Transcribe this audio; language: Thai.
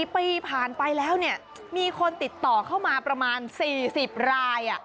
๔ปีผ่านไปแล้วมีคนติดต่อเข้ามาประมาณ๔๐ราย